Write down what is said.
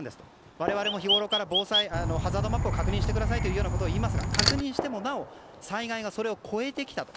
我々も日ごろからハザードマップを確認してくださいと言いますが確認してもなお災害がそれを超えてきたと。